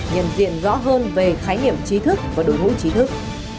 nhận diện rõ hơn về khái niệm trí thức và đối ngũ trí thức